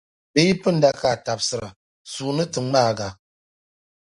Bɛ yi pinda a ka a tabisira, sua ni ti ŋmaag’ a.